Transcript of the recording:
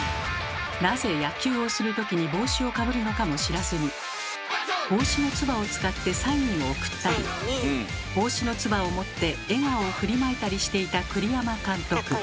なぜ野球をする時に帽子をかぶるのかも知らずに帽子のツバを使ってサインを送ったり帽子のツバを持って笑顔を振りまいたりしていた栗山監督。